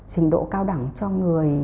trình độ cao đẳng cho người